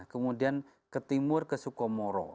kemudian ke timur ke sukomoro